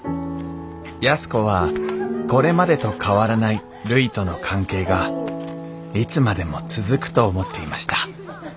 安子はこれまでと変わらないるいとの関係がいつまでも続くと思っていました。